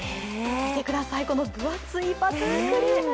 見てください、この分厚いバタークリーム。